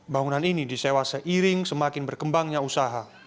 bangunan ini disewa seiring semakin berkembangnya usaha